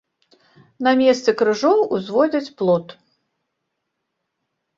На месцы крыжоў узводзяць плот.